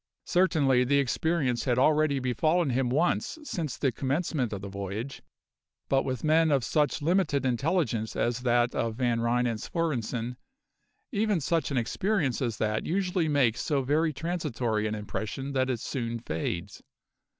Certainly the experience had already befallen him once since the commencement of the voyage; but with men of such limited intelligence as that of Van Ryn and Svorenssen even such an experience as that usually makes so very transitory an impression that it soon fades.